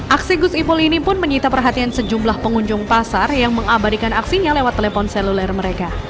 aksi gus ipul ini pun menyita perhatian sejumlah pengunjung pasar yang mengabadikan aksinya lewat telepon seluler mereka